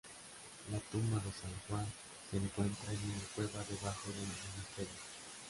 La tumba de San Juan se encuentra en una cueva debajo del monasterio.